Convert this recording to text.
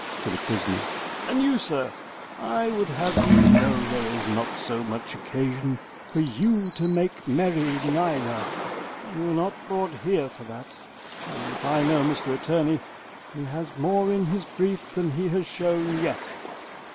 [To the prisoner]: And you, sir, I would have you know there is not so much occasion for you to make merry neither. You were not brought here for that, and if I know Mr Attorney, he has more in his brief than he has shown yet.